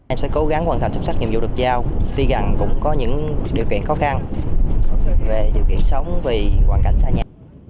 em sẽ cố gắng hoàn thành xuất sắc nhiệm vụ được giao tuy gần cũng có những điều kiện khó khăn về điều kiện sống vì hoàn cảnh xa nhà